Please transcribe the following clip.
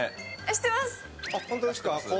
知ってます。